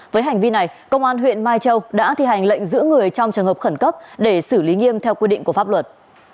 với hành vi này công an huyện mai châu đã thi hành lệnh giữ người trong trường hợp khẩn cấp để xử lý nghiêm theo quy định của pháp luật